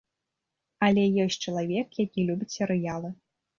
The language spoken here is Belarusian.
Але ёсць чалавек, які любіць серыялы.